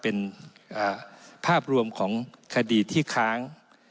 เป็นภาพรวมของคดีที่ค้าง